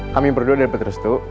kami berdua udah dapet restu